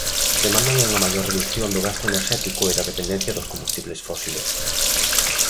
Demandan unha maior redución do gasto enerxético e da dependencia dos combustibles fósiles.